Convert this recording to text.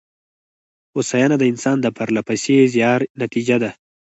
هوساینه د انسان د پرله پسې زیار نتېجه ده.